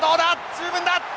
十分だ！